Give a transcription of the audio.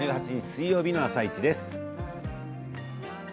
水曜日の「あさイチ」です。